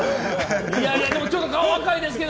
ちょっと顔、赤いですけど。